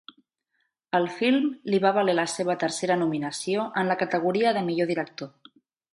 El film li va valer la seva tercera nominació en la categoria de millor director.